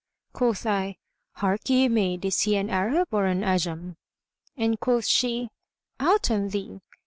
Quoth I, "Harkye maid, is he an Arab or an Ajam?"; and quoth she, "Out on thee!